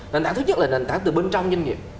nền tảng thứ nhất là nền tảng từ bên trong doanh nghiệp